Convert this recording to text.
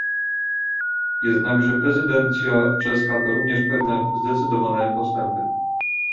Jednakże prezydencja czeska to również pewne zdecydowane postępy